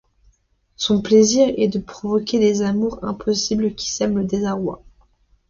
Son plaisir est de provoquer des amours impossibles qui sèment le désarroi.